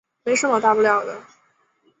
没什么大不了的